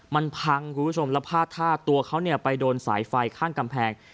มันพังคุณผู้ชมแล้วพาดท่าตัวเขาไปโดนสายไฟข้างกำแพง